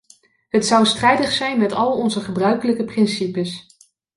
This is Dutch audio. Het zou strijdig zijn met al onze gebruikelijke principes.